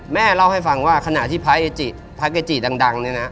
แม่เล่าให้ฟังว่าขณะที่พระเกจิดังเนี่ยนะ